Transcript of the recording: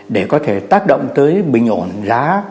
để có thể tác động tới bình ổn giá